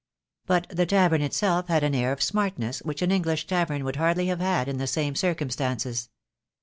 But the tavern itself had an air of smartness which an English tavern would hardly have had in the same circumstances.